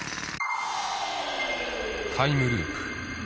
［タイムループ］